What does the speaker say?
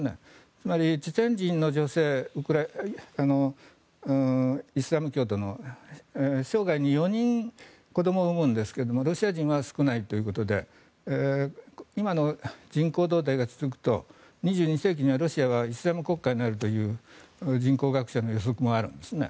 つまり、チェチェン人の女性イスラム教徒の生涯に４人子どもを産むんですがロシア人は少ないということで今の人口動態が続くと２２世紀にはロシアはイスラム国家になるという人口学者の予測もあるんですね。